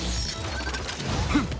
フッ！